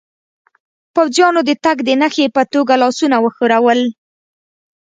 پوځیانو د تګ د نښې په توګه لاسونه و ښورول.